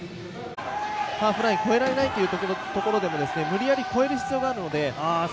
ハーフライン越えられないところでも無理やり越える必要があるので。